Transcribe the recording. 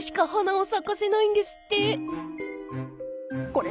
これ。